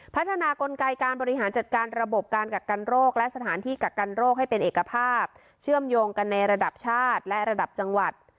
กลไกการบริหารจัดการระบบการกักกันโรคและสถานที่กักกันโรคให้เป็นเอกภาพเชื่อมโยงกันในระดับชาติและระดับจังหวัด